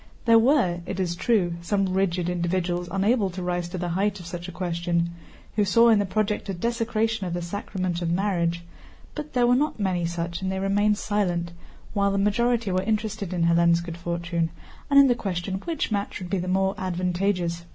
There were, it is true, some rigid individuals unable to rise to the height of such a question, who saw in the project a desecration of the sacrament of marriage, but there were not many such and they remained silent, while the majority were interested in Hélène's good fortune and in the question which match would be the more advantageous.